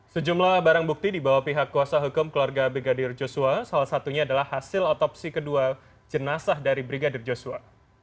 sejumlah barang bukti dibawa pihak kuasa hukum keluarga brigadir joshua salah satunya adalah hasil otopsi kedua jenazah dari brigadir joshua